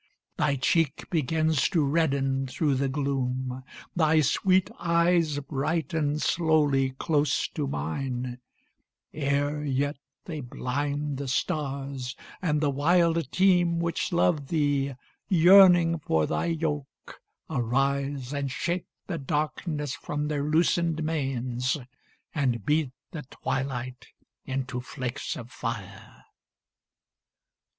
Thy cheek begins to redden thro' the gloom, Thy sweet eyes brighten slowly close to mine, Ere yet they blind the stars, and the wild team Which love thee, yearning for thy yoke, arise, And shake the darkness from their loosen'd manes, And beat the twilight into flakes of fire.